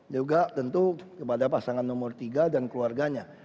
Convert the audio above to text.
juga tentu kepada pasangan nomor tiga dan keluarganya